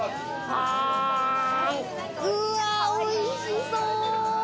うわ、おいしそう！